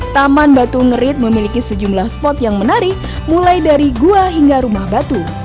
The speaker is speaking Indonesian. taman batu ngerit memiliki sejumlah spot yang menarik mulai dari gua hingga rumah batu